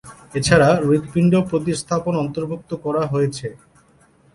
এছাড়া হৃৎপিণ্ড প্রতিস্থাপন অন্তর্ভুক্ত করা হয়েছে।